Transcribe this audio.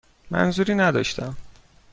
منظوری نداشتم.